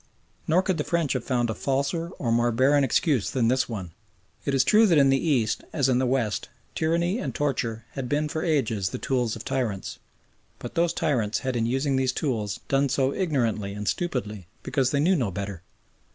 Nor could the French have found a falser or more barren excuse than this one. It is true that in the East, as in the West, tyranny and torture had been for ages the tools of tyrants, but those tyrants had in using those tools done so ignorantly and stupidly because they knew no better.